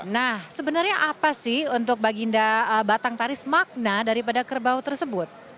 nah sebenarnya apa sih untuk baginda batang taris makna daripada kerbau tersebut